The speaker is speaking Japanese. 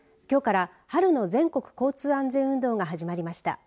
きょうから春の全国交通安全運動が始まりました。